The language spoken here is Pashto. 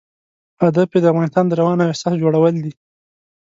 هدف یې د انسان د روان او احساس جوړول دي.